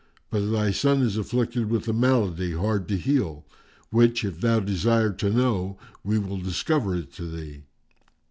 But thy son is afflicted with a malady hard to heal, which, if thou desire to know, we will discover it to thee."